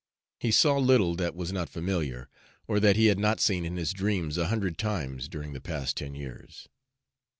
He saw little that was not familiar, or that he had not seen in his dreams a hundred times during the past ten years.